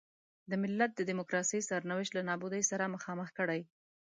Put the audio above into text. د ملت د ډیموکراسۍ سرنوشت له نابودۍ سره مخامخ کړي.